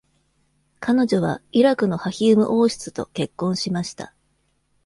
彼女はイラクのハヒーム王室と結婚しました。